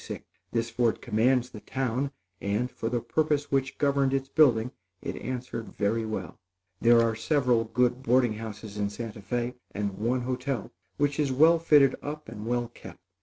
This fort commands the town; and, for the purpose which governed its building it answered very well. There are several good boarding houses in Santa Fé, and one hotel, which is well fitted up and well kept.